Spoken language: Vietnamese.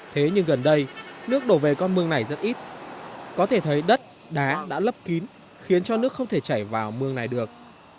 thế nhưng gần đây nước đổ về con mương này rất ít có thể thấy đất đá đã lấp kín khiến cho nước không thể chảy vào mương này được